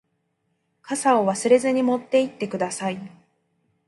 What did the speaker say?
傘を忘れずに持って行ってください。